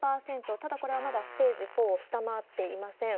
ただ、これはまだステージ４を下回っていません。